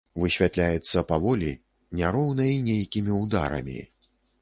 Высвятляцца паволі, няроўна і нейкімі ўдарамі.